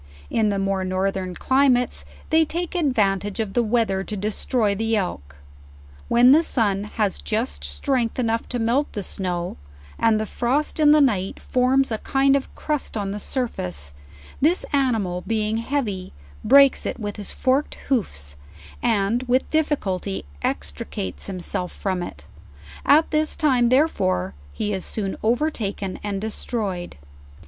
In the more northern climates they t eake the advantage of the weather to destroy the elk;; when the sun, has just strength, LEWIS AND CLARKE. 67 enough to melt the snow, and the frost in the night forms a kind of a crust on the surface, this animal being heavy, breaks it with his forked hoofs, and with difficulty extricates him self from it: at this time therefore he is soon overtaken and destroyed.